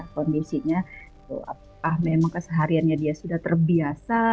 kondisinya apakah memang kesehariannya dia sudah terbiasa